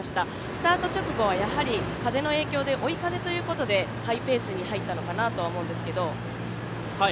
スタート直後は風の影響で追い風ということでハイペースに入ったのかなと思うんですけど。